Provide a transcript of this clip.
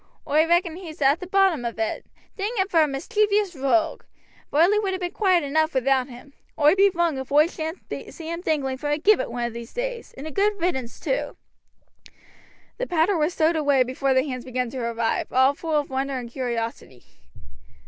Oi reckon he's at the bottom on it. Dang un for a mischievous rogue! Varley would ha' been quiet enough without him. Oi be wrong if oi shan't see him dangling from a gibbet one of these days, and a good riddance too." The powder was stowed away before the hands began to arrive, all full of wonder and curiosity.